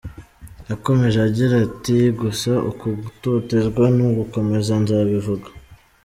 Yakomeje agira ati “Gusa uku gutotezwa nigukomeza nzabivuga.